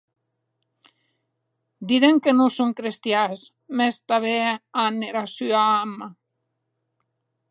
Diden que non son crestians, mès que tanben an era sua amna.